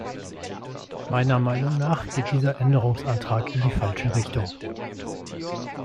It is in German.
Meiner Meinung nach geht dieser Änderungsantrag in die falsche Richtung.